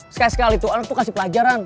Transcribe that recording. sekali sekali tuan lo kasih pelajaran